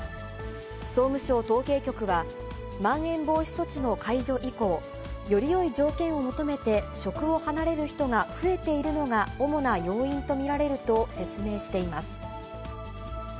総務省統計局は、まん延防止措置の解除以降、よりよい条件を求めて、職を離れる人が増えているのが主な要因と見られると説明しています。